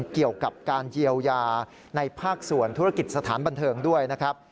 เกี่ยวกับการเยียวยาในภาคส่วนธุรกิจสถานบันเทิงด้วยนะครับ